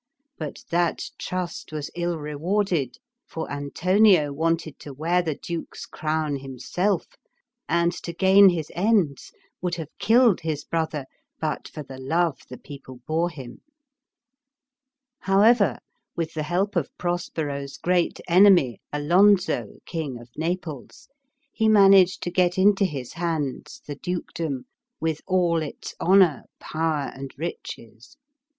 But that trust was ill rewarded, for Antonio wanted to wear the duke's crown himself, and, to gain his ends, would have killed his brother but for the love the people bore him. THE TEMPEST. 1^ s However, with the help of Prospero's great enemy, Alonso, King of Naples, he managed to get into his hands the dukedom, with all its honor, power, and riches.